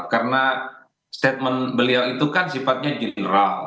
karena statement beliau itu kan sifatnya general